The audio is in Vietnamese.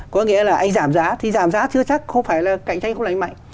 có nghĩa là anh giảm giá thì giảm giá chưa chắc không phải là cạnh tranh không lành mạnh